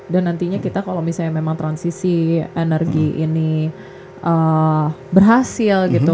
dan nantinya kita kalau misalnya memang transisi energi ini berhasil gitu